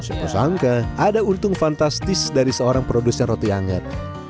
siapa sangka ada untung fantastis dari seorang produsen roti anget